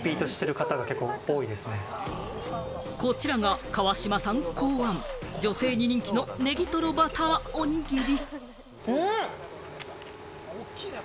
こちらが川島さん考案、女性に人気の「ねぎとろ＋バター」おにぎり。